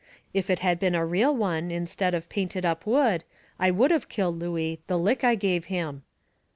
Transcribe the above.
If it had been a real one, instead of painted up wood, I would of killed Looey, the lick I give him.